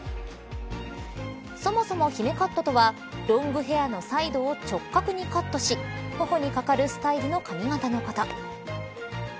そもそも姫カットとはロングヘアのサイドを直角にカットし頬にかかるスタイルの髪型のこと。